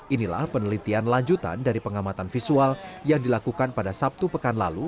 inilah penelitian lanjutan dari pengamatan visual yang dilakukan pada sabtu pekan lalu